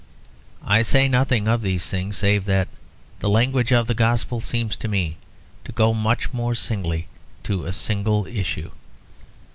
I say nothing of these things, save that the language of the Gospel seems to me to go much more singly to a single issue.